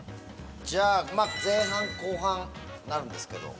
前半後半なるんですけど。